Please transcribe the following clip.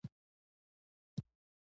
د خان-رعیت طبقې پکې نه وې.